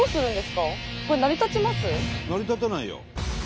成り立たないよ。